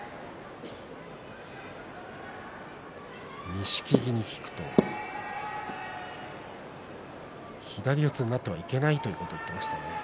錦木に聞くと左四つになってはいけないということを言っていました。